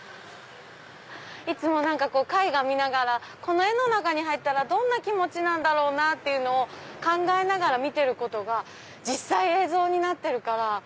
いつも何か絵画見ながらこの絵の中に入ったらどんな気持ちなんだろうなって考えながら見てることが実際映像になってるから。